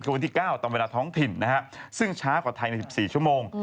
คือวันที่๙ตอนเวลาท้องถิ่นนะฮะซึ่งช้ากว่าไทยใน๑๔ชั่วโมง